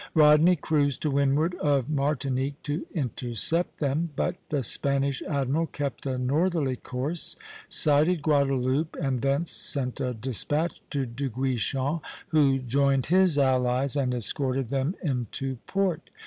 Rodney cruised to windward of Martinique to intercept them; but the Spanish admiral kept a northerly course, sighted Guadeloupe, and thence sent a despatch to De Guichen, who joined his allies and escorted them into port.